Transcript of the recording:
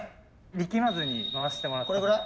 力まずに回してもらったら。